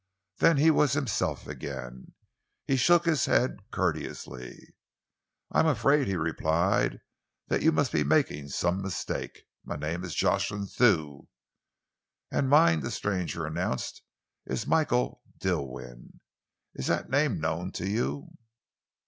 Then he was himself again. He shook his head courteously. "I am afraid," he replied, "that you must be making some mistake. My name is Jocelyn Thew." "And mine," the stranger announced, "is Michael Dilwyn. Is that name known to you?"